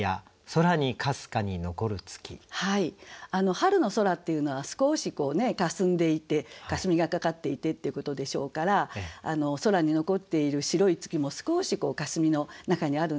春の空っていうのは少しかすんでいてかすみがかかっていてっていうことでしょうから空に残っている白い月も少しかすみの中にあるんでしょう。